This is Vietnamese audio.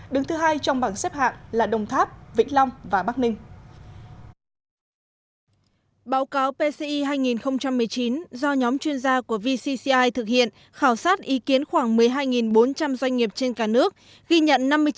đứng thứ hai trong bảng xếp hạng là đồng tháp vĩnh long và bắc ninh